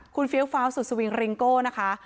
คุณเฟ้กเฟาสุดสวิงลิงโกนะคะ